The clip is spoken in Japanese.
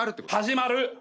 始まる。